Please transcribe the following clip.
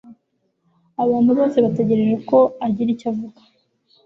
Abantu bose bategereje ko agira icyo avuga.